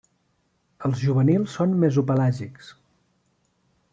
Els juvenils són mesopelàgics.